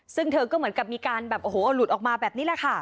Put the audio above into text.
ซึ่งเธอก็เหมือนกับมีการแบบโอ้โหเอาหลุดออกมาแบบนี้แหละค่ะ